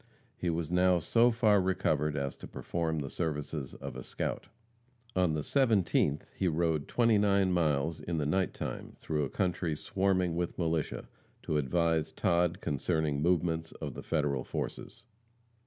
He was now so far recovered as to perform the services of a scout. On the 17th he rode twenty nine miles in the night time, through a country swarming with militia, to advise Todd concerning the movements of the Federal forces.